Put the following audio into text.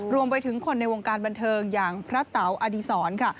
รวมไปถึงคนในวงการบันเทิงอย่างพระเตาอดีศรค่ะ